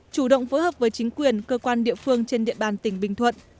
chủ động phối hợp với chính quyền cơ quan địa phương trên địa bàn tỉnh bình thuận